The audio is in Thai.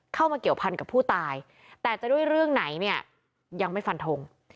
เข้ามาเกี่ยวพันกับผู้ตายแต่จะด้วยเรื่องไหนเนี่ยยังไม่ฟันทง